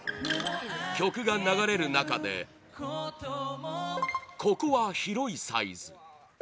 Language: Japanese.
曲が流れる中でここは広いサイズ